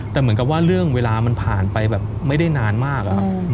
แต่เหมือนกับว่าเรื่องเวลามันผ่านไปแบบไม่ได้นานมากอะครับ